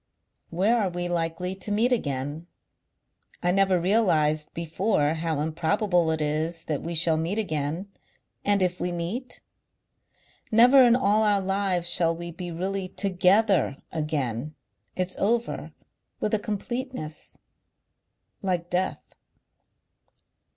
"Where are we likely to meet again?... I never realized before how improbable it is that we shall meet again. And if we meet?... "Never in all our lives shall we be really TOGETHER again. It's over With a completeness.... "Like death."